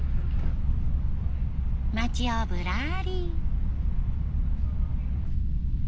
町をぶらり。